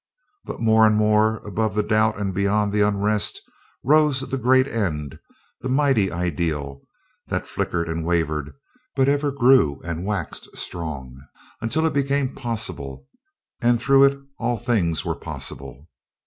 But more and more, above the doubt and beyond the unrest, rose the great end, the mighty ideal, that flickered and wavered, but ever grew and waxed strong, until it became possible, and through it all things else were possible.